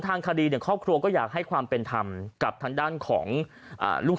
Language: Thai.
ทางคดีเนี่ยครอบครัวก็อยากให้ความเป็นธรรมกับทางด้านของลูก